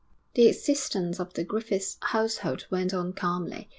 The existence of the Griffith household went on calmly.